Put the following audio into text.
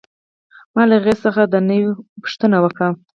ما له هغې څخه د نوم پوښتنه وکړه